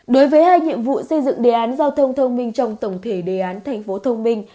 đối với hai nhiệm vụ xây dựng đề án giao thông thông minh trong tổng thể đề án thành phố thông minh